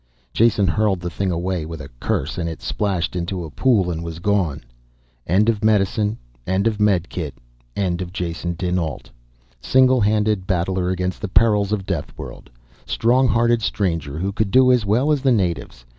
Jason hurled the thing away with a curse, and it splashed into a pool and was gone. End of medicine, end of medikit, end of Jason dinAlt. Single handed battler against the perils of deathworld. Strong hearted stranger who could do as well as the natives.